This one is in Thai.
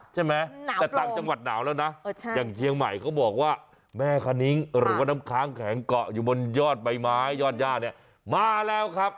ใช่ไหมแต่ต่างจังหวัดหนาวแล้วนะอย่างเชียงใหม่เขาบอกว่าแม่คณิ้งหรือว่าน้ำค้างแข็งเกาะอยู่บนยอดใบไม้ยอดย่าเนี่ยมาแล้วครับ